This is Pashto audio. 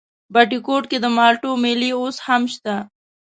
بټي کوټ کې د مالټو مېلې اوس هم شته؟